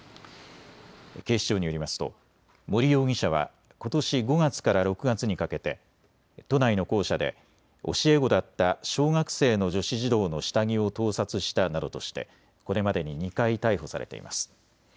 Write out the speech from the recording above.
警視庁によりますと森容疑者はことし５月から６月にかけて都内の校舎で教え子だった小学生の女子児童の下着を盗撮したなどとしてこれまでに２回逮捕されています。